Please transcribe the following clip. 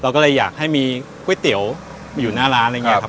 ก็เลยอยากให้มีก๋วยเตี๋ยวอยู่หน้าร้านอะไรอย่างนี้ครับ